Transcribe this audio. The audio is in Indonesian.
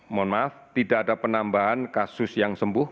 mohon maaf tidak ada penambahan kasus yang sembuh